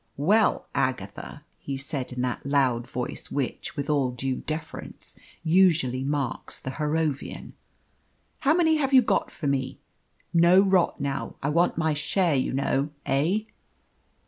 "Well, Agatha," he said, in that loud voice which, with all due deference, usually marks the Harrovian, "how many have you got for me? No rot now! I want my share, you know, eh?"